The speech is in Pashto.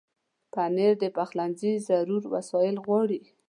پنېر د پخلنځي ضرور وسایل غواړي.